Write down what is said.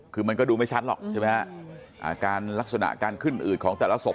คือมันก็ดูไม่ชัดหรอกใช่ไหมฮะอาการลักษณะการขึ้นอืดของแต่ละศพ